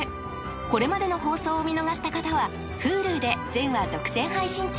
これまでの放送を見逃した方はＨｕｌｕで全話独占配信中